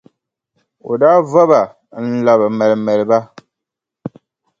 O daa va ba n-labi maalimaali ba,